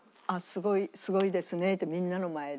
すごいですねってみんなの前で。